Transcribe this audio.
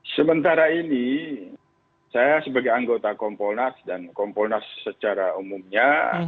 sementara ini saya sebagai anggota kompolnas dan kompolnas secara umumnya